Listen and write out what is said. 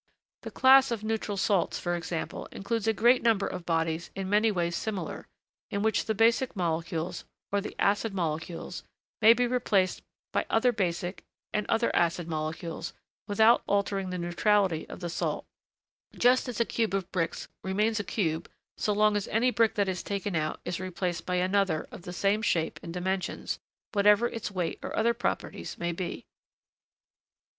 The class of neutral salts, for example, includes a great number of bodies in many ways similar, in which the basic molecules, or the acid molecules, may be replaced by other basic and other acid molecules without altering the neutrality of the salt; just as a cube of bricks remains a cube, so long as any brick that is taken out is replaced by another of the same shape and dimensions, whatever its weight or other properties may be.